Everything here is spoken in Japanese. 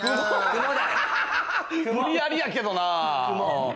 無理やりやけどな。